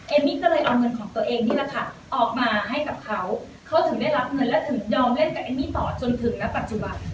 มี่ก็เลยเอาเงินของตัวเองนี่แหละค่ะออกมาให้กับเขาเขาถึงได้รับเงินและถึงยอมเล่นกับเอมมี่ต่อจนถึงณปัจจุบัน